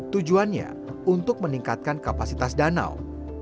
tujuannya untuk meningkatkan kapasitas danau